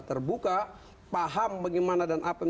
demi perubahan yang ada di dasar